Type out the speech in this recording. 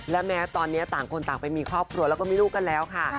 และแม้ตอนนี้ต่างคนต่างไปมีครอบครัวแล้วก็มีลูกกันแล้วค่ะ